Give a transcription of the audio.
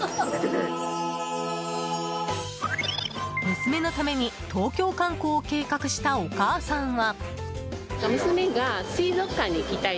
娘のために東京観光を計画したお母さんは。